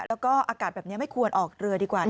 แล้วก็อากาศแบบนี้ไม่ควรออกเรือดีกว่า